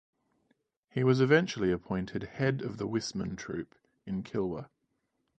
He was eventually appointed head of the Wissmann Troop in Kilwa.